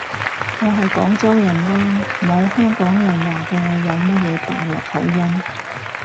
我係廣州人啦，冇香港人話過我有乜嘢大陸口音